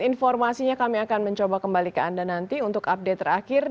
informasinya kami akan mencoba kembali ke anda nanti untuk update terakhir